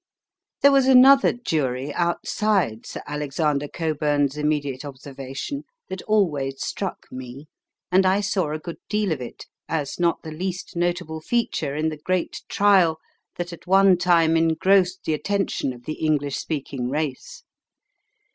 There was another jury outside Sir Alexander Cockburn's immediate observation that always struck me, and I saw a good deal of it, as not the least notable feature in the great trial that at one time engrossed the attention of the English speaking race.